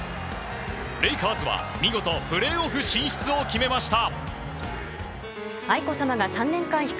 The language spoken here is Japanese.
レイカーズは見事プレーオフ進出を決めました。